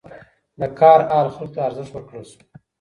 د کار اهل خلکو ته ارزښت ورکړل شو.